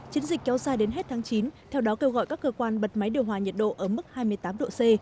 chiến dịch kéo dài đến hết tháng chín theo đó kêu gọi các cơ quan bật máy điều hòa nhiệt độ ở mức hai mươi tám độ c